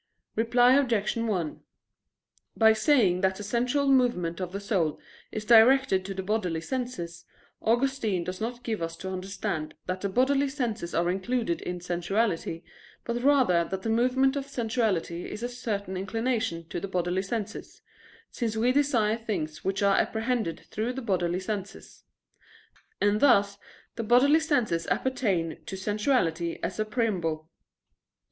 Reply Obj. 1: By saying that the sensual movement of the soul is directed to the bodily senses, Augustine does not give us to understand that the bodily senses are included in sensuality, but rather that the movement of sensuality is a certain inclination to the bodily senses, since we desire things which are apprehended through the bodily senses. And thus the bodily senses appertain to sensuality as a preamble.